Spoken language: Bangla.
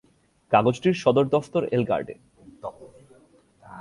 কাগজটির সদর দফতর এলগার্ডে।